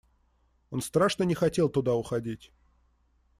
Он страшно не хотел туда уходить.